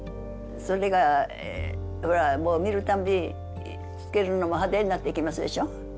それがほらもう見るたんびつけるのも派手になっていきますでしょ。